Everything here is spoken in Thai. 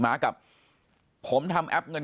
ปากกับภาคภูมิ